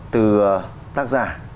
từ tác giả